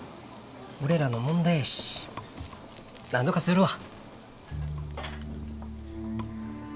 俺らの問題やしなんとかするわ。